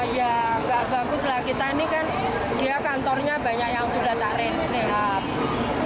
ya nggak bagus lah kita ini kan dia kantornya banyak yang sudah tak renewab